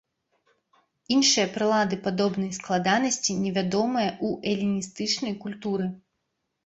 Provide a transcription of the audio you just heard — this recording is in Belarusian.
Іншыя прылады падобнай складанасці невядомыя ў эліністычнай культуры.